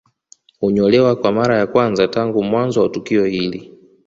Hunyolewa kwa mara ya kwanza tangu mwanzo wa tukio hili